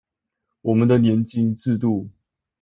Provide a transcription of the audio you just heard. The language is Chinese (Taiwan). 我們的年金制度